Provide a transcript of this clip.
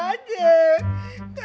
maksudnya sebab dia